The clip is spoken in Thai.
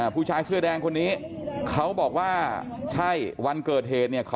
ผู้ชายเสื้อแดงคนนี้เขาบอกว่าใช่วันเกิดเหตุเนี่ย